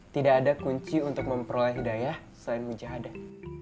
tidak ada kunci untuk memperoleh hidayah selain menjahadah